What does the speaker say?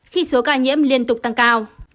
khi số ca nhiễm liên tục tăng cao